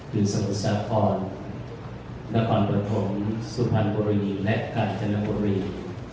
คือสรุปสาพรนครปฐมสุพรรณบริหญิงและกาญจนบริหญิง